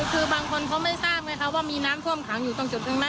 คือบางคนเขาไม่ทราบไงคะว่ามีน้ำท่วมขังอยู่ตรงจุดหนึ่งนะ